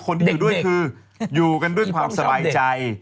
คนที่อยู่ด้วยคืออยู่กันด้วยความสบายใจ